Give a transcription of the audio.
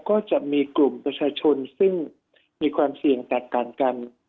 ก็จะมีกลุ่มประชาชนซึ่งมีความเสี่ยงแตกต่างกัน